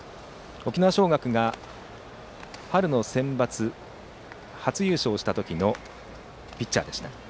沖縄尚学が春のセンバツで初優勝した時のピッチャーでした。